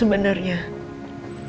apa yang terjadi